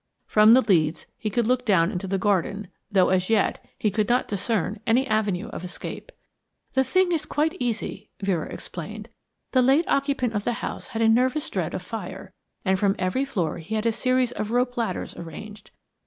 From the leads he could look down into the garden, though, as yet, he could not discern any avenue of escape. "The thing is quite easy," Vera explained. "The late occupant of the house had a nervous dread of fire, and from every floor he had a series of rope ladders arranged.